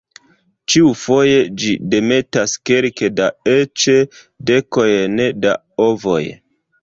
Ĉiufoje ĝi demetas kelke da eĉ dekojn da ovoj.